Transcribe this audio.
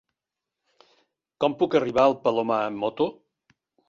Com puc arribar al Palomar amb moto?